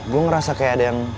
gue ngerasa kayak ada yang